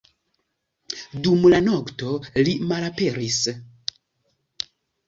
Dum la nokto, li malaperis.